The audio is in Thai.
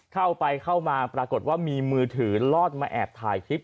เข้าไปเข้ามาปรากฏว่ามีมือถือลอดมาแอบถ่ายคลิป